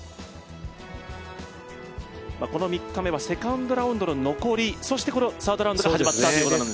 この３日目はセカンドラウンドの残り、そしてこのサードラウンドが始まったということですね。